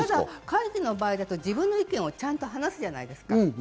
ただ会議の場合だと自分の意見をちゃんと話すじゃないですか。